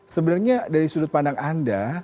sebenarnya dari sudut pandang anda